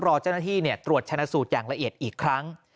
รอเจ้าหน้าที่ตรวจชนะสูตรอย่างละเอียดอีกครั้ง